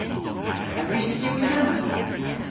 A wruss'ta dybri hansel?